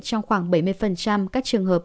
trong khoảng bảy mươi các trường hợp